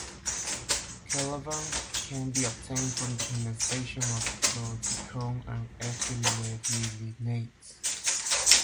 Kelevan can be obtained from the condensation of chlordecone and ethyl-levulinate.